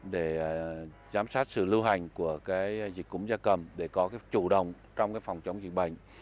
để giám sát sự lưu hành của dịch cúng gia cầm để có chủ động trong phòng chống dịch bệnh